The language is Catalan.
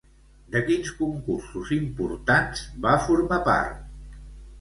De quins concursos importants va formar part?